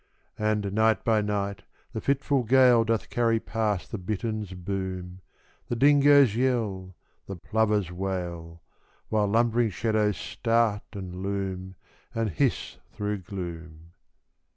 And night by night the fitful gale Doth carry past the bittern's boom, The dingo's yell, the plover's wail, While lumbering shadows start, and loom, And hiss through gloom.